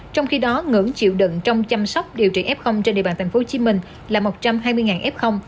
trong khi đó ngưỡng chịu đựng trong chăm sóc điều trị f trên địa bàn tp hcm là một trăm hai mươi f